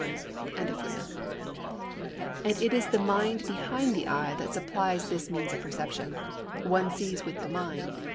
i.] and it is the mind behind the eye that supplies this means of perception: #one sees with the mind#.